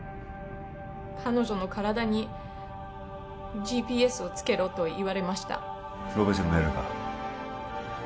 彼女の体にＧＰＳを付けろと言われましたロペスの命令か？